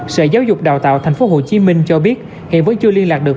sở giáo dục đào tạo thành phố hồ chí minh cho biết hiện vẫn chưa liên lạc được